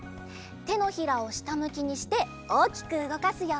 てのひらをしたむきにしておおきくうごかすよ。